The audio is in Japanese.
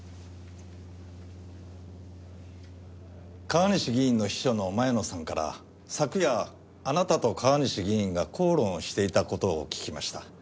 川西議員の秘書の前野さんから昨夜あなたと川西議員が口論をしていた事を聞きました。